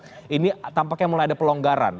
tapi tampaknya mulai ada pelonggaran